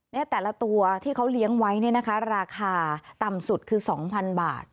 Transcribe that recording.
แต่ละตัวที่เขาเลี้ยงไว้เนี่ยนะคะราคาต่ำสุดคือ๒๐๐๐บาท